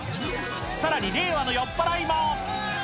さらに令和の酔っ払いも。